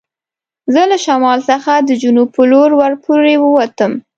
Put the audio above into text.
زه له شمال څخه د جنوب په لور ور پورې و وتم.